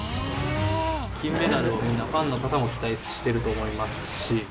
金メダルをみんな、ファンの方も期待してると思いますし。